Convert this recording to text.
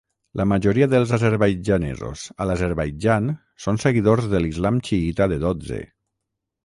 La majoria dels azerbaidjanesos a l'Azerbaidjan són seguidors de l'islam xiïta de Dotze.